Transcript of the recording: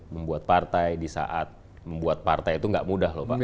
membuat partai di saat membuat partai itu gak mudah loh pak